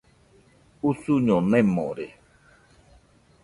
Usuño nemore.